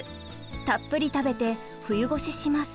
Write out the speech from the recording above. たっぷり食べて冬越しします。